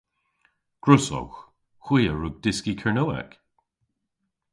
Gwrussowgh. Hwi a wrug dyski Kernewek.